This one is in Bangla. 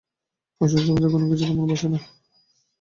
অসুস্থ অবস্থায় কোনো কিছুতেই মন বসে না।